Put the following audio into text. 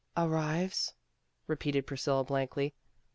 "Arrives?" repeated Priscilla blankly.